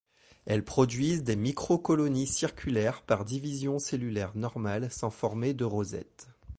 Elles produisent des microcolonies circulaires par division cellulaire normale sans former de rosettes.